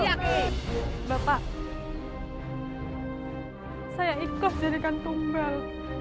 bapak saya ikhlas menjadikan tumbal